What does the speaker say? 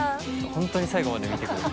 本当に最後まで見てくれる。